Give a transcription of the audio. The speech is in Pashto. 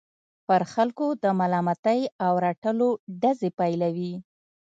پر خلکو د ملامتۍ او رټلو ډزې پيلوي.